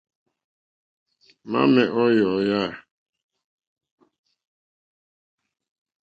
Mamɛ̀ o yɔ̀eyà e?